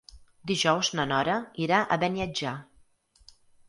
Dijous na Nora irà a Beniatjar.